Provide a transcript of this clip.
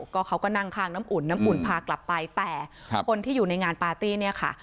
ก็เขาก็นั่งข้างน้ำอุ่นน้ำอุ่นพากลับไปแต่คนที่อยู่ในงานปาร์ตี้เนี่ยค่ะ